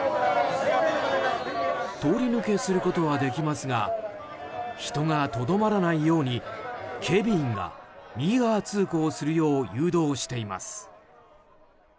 通り抜けすることはできますが人がとどまらないように警備員が右側通行するよう誘導しています。